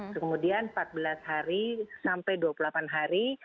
kemudian empat belas hari sampai dua puluh delapan hari